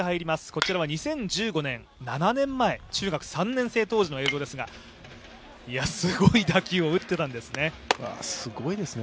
こちらは２０１５年、７年前、中学３年生当時の映像ですがすごい打球を打っていたんですね。